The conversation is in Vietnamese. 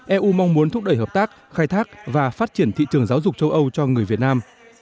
eu mong muốn thúc đẩy hợp tác khai thác và phát triển thị trường giáo dục châu âu cho người việt nam